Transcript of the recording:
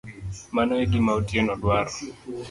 Mano e gima Otieno dwaro.